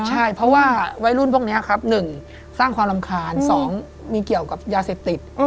ใช่เพราะว่าวัยรุ่นพวกนี้ครับ๑สร้างความรำคาญ๒มีเกี่ยวกับยาเสพติด